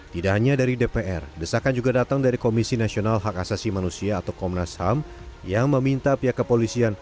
tidak hanya dari dpr desakan juga datang dari komisi nasional hak asasi manusia atau komnas ham yang meminta pihak kepolisian